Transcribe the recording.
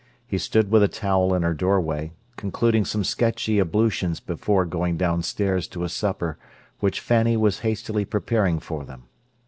He stood with a towel in her doorway, concluding some sketchy ablutions before going downstairs to a supper which Fanny was hastily preparing for them.